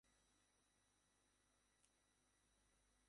যদি থাকতো, তাহলে তোকে এখনই দিয়ে দিতাম।